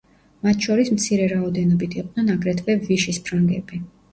მათ შორის მცირე რაოდენობით იყვნენ აგრეთვე ვიშის ფრანგები.